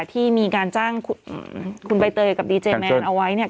ที่มีการจ้างคุณใบเตยกับดีเจแมนเอาไว้เนี่ย